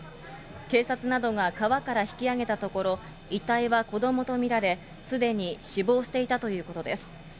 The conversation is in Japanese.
警察などが川から引きあげたところ、遺体は子どもと見られ、すでに死亡していたということです。